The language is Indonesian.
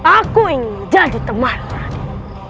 aku ingin menjadi temanmu raden